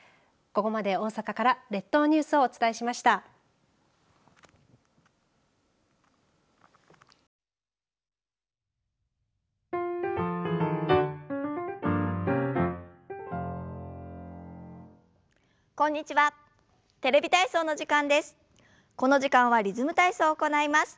この時間はリズム体操を行います。